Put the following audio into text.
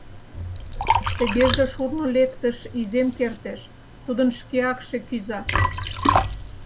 Тыгеже шурно лектыш изем кертеш, тудын шке акше кӱза.